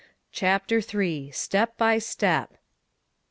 CHAPTER III. STEP BY STEP.